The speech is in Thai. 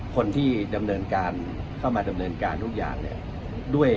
คนที่ดำเนินการเข้ามาดำเนินการทุกอย่างเนี่ยด้วย